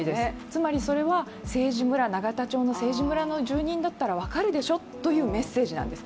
つまりそれは政治村、永田町の政治村の住民だったら分かるでしょというメッセージなんです。